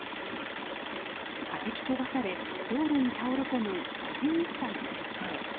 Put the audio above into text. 弾き飛ばされ道路に倒れ込む５１歳の女性。